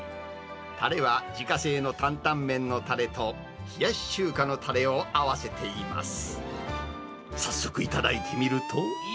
たれは自家製の担々麺のたれと、冷し中華のたれを合わせています。